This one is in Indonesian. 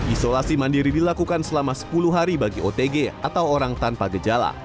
isolasi mandiri dilakukan selama sepuluh hari bagi otg atau orang tanpa gejala